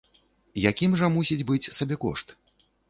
Якім жа мусіць быць сабекошт?